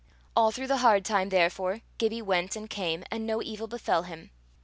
All through the hard time, therefore, Gibbie went and came, and no evil befell him.